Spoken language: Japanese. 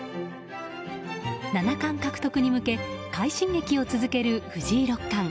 七冠獲得に向け快進撃を続ける藤井六冠。